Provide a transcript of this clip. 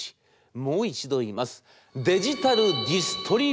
もう一度言います」。